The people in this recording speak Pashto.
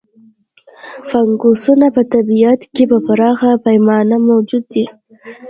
فنګسونه په طبیعت کې په پراخه پیمانه موجود دي.